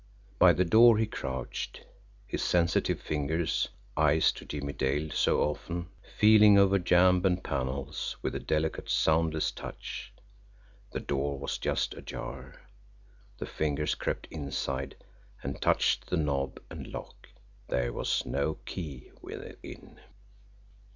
By the door he crouched his sensitive fingers, eyes to Jimmie Dale so often feeling over jamb and panels with a delicate, soundless touch. The door was just ajar. The fingers crept inside and touched the knob and lock there was no key within.